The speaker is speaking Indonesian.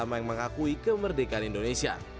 yang mengakui kemerdekaan indonesia